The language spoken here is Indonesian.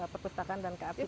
perpustakaan dan kearsipan